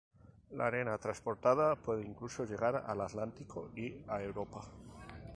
La arena transportada puede incluso llegar al Atlántico y a Europa.